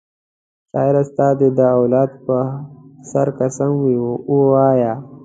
شاعره ستا دي د اولاد په سر قسم وي وایه